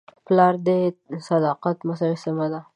پلار د صداقت مجسمه ده.